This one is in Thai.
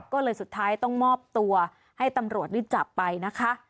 ก็เลยสุดท้ายต้องมอบตัวให้ตำรวจได้จับไปนะคะ